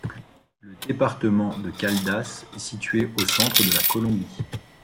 Le département de Caldas est situé au centre de la Colombie.